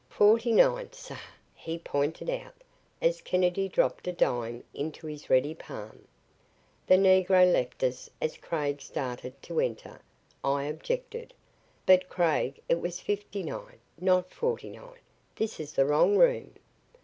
"Fohty nine, sah," he pointed out, as Kennedy dropped a dime into his ready palm. The negro left us and as Craig started to enter, I objected, "But, Craig, it was fifty nine, not forty nine. This is the wrong room."